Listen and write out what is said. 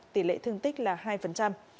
tỷ lệ thương tích là hai